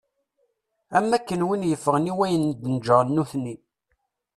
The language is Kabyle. Am wakken win yeffɣen i wayen i d-neǧǧren nutni.